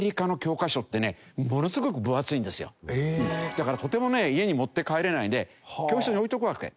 だからとてもね家に持って帰れないので教室に置いておくわけ。